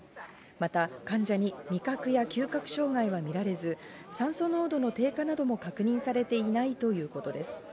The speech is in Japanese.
また患者に味覚や嗅覚障害は見られず、酸素濃度の低下なども確認されていないということです。